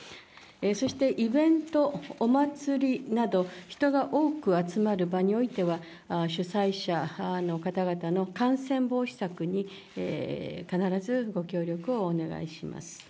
そしてイベント、お祭りなど、人が多く集まる場においては、主催者の方々の感染防止策に必ずご協力をお願いします。